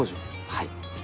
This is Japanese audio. はい。